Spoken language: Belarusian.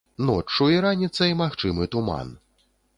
Ноччу і раніцай магчымы туман.